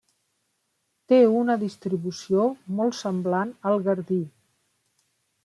Té una distribució molt semblant al gardí.